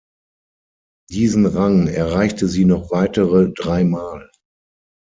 Diesen Rang erreichte sie noch weitere drei Mal.